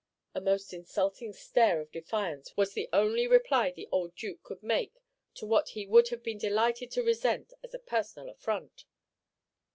A most insulting stare of defiance was the only reply the old Duke could make to what he would have been delighted to resent as a personal affront.